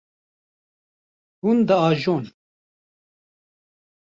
Hûn diajon.